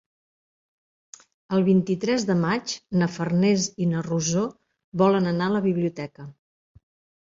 El vint-i-tres de maig na Farners i na Rosó volen anar a la biblioteca.